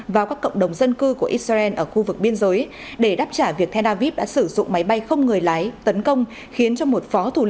vào các cộng đồng dân cư của israel